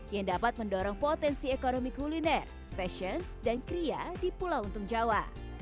yang dapat mendorong potensi ekonomi kuliner fashion dan kria di pulau untung jawa